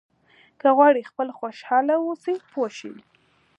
که غواړئ خپله خوشاله واوسئ پوه شوې!.